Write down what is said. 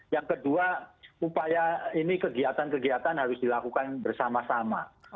yang kedua upaya ini kegiatan kegiatan harus dilakukan bersama sama